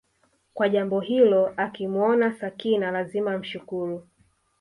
kwa jambo hilo akimwona Sakina lazima amshukuru